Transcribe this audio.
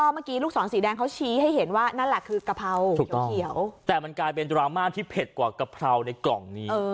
เมื่อกี้ลูกศรสีแดงเขาชี้ให้เห็นว่านั่นแหละคือกะเพราแต่มันกลายเป็นดราม่าที่เผ็ดกว่ากะเพราในกล่องนี้